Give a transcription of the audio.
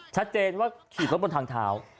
ชัดเจนว่าขี่รถบนทางเท้า